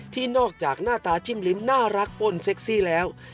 ที่นอกจากหน้าตาจิ้มลิ้มน่ารักป้นเซ็กซี่แล้ว